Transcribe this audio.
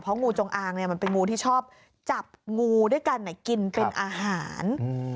งูจงอางมันเป็นงูที่ชอบจับงูด้วยกันกินเป็นอาหาร